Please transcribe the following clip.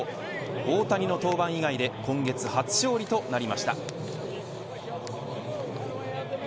大谷の登板以外で今月初勝利となりました。